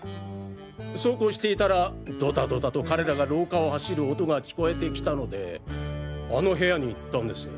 そうこうしていたらドタドタと彼らが廊下を走る音が聞こえてきたのであの部屋に行ったんです。